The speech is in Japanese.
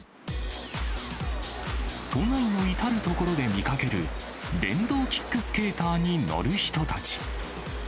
都内の至る所で見かける、電動キックスケーターに乗る人たち。